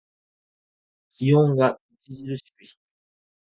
気温が著しく低い。